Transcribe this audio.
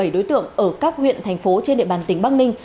một mươi bảy đối tượng ở các huyện thành phố trên địa bàn tỉnh bắc ninh